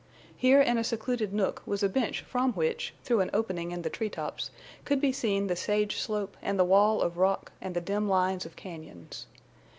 Here in a secluded nook was a bench from which, through an opening in the tree tops, could be seen the sage slope and the wall of rock and the dim lines of cañons.